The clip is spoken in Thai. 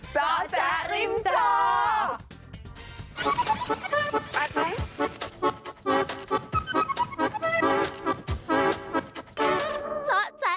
เจาะแจ๊ริมจอ